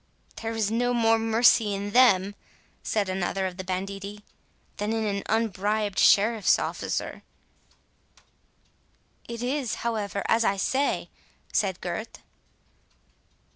"There is no more mercy in them," said another of the banditti, "than in an unbribed sheriffs officer." "It is, however, as I say," said Gurth.